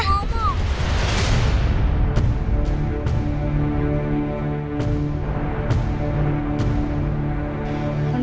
adam adam adam